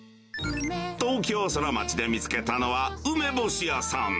東京ソラマチで見つけたのは梅干し屋さん。